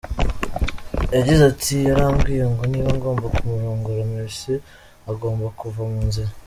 Yagize ati “Yarambwiye ngo niba ngomba kumurongora Mercy agomba kuva mu nzira.